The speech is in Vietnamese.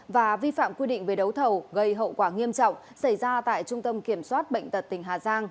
và vi phạm quy định về đấu thầu gây hậu quả nghiêm trọng xảy ra tại trung tâm kiểm soát bệnh tật tỉnh hà giang